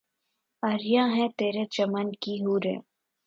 عریاں ہیں ترے چمن کی حوریں